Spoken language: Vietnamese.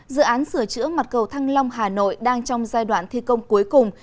dự án sửa chữa mặt cầu thăng long hà nội đang trong giai đoạn thi công cuối cùng